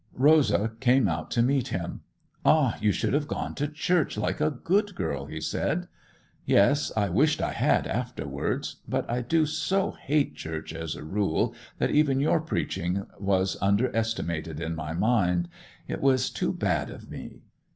Rosa came out to meet him. 'Ah! you should have gone to church like a good girl,' he said. 'Yes—I wished I had afterwards. But I do so hate church as a rule that even your preaching was underestimated in my mind. It was too bad of me!